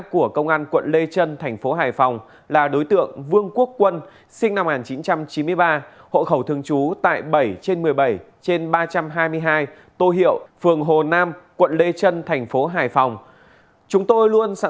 của công an quận lê trân thành phố hải phòng là đối tượng vương quốc quân sinh năm một nghìn chín trăm chín mươi ba hộ khẩu thường trú